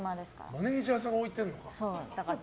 マネジャーさんが置いてるのかな？